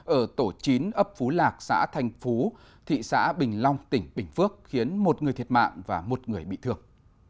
ở tổ chín ấp phú lạc xã thành phú thị xã bình long tỉnh bình phước khiến một người thiệt mạng và một người bị thương